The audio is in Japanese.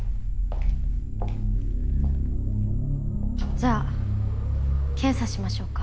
じゃあ検査しましょうか。